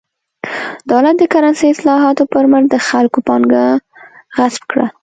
دولت د کرنسۍ اصلاحاتو پر مټ د خلکو پانګه غصب کړه.